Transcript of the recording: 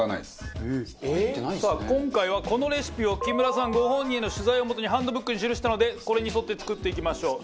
さあ今回はこのレシピを木村さんご本人の取材をもとにハンドブックに記したのでこれに沿って作っていきましょう。